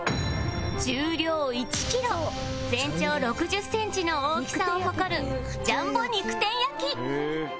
重量１キロ全長６０センチの大きさを誇るジャンボにくてん焼